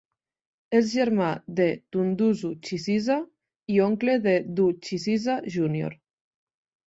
És germà de Dunduzu Chisiza i oncle de Du Chisiza Jnr.